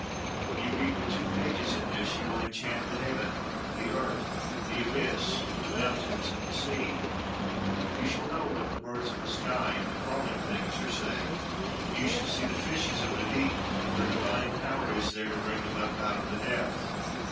When you read but two pages in this, you will enchant the heaven, the earth, the abyss, the mountains, and the sea; you shall know what the birds of the sky and the crawling things are saying; you shall see the fishes of the deep, for a di vine power is there to bring them up out of the depth.